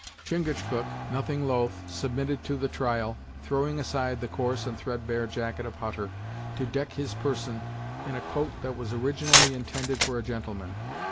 Chingachgook, nothing loath, submitted to the trial, throwing aside the coarse and thread bare jacket of Hutter, to deck his person in a coat that was originally intended for a gentleman.